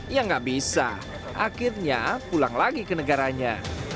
ya nggak bisa akhirnya pulang lagi ke negaranya